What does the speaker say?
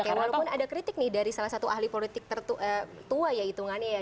oke walaupun ada kritik nih dari salah satu ahli politik tua ya hitungannya ya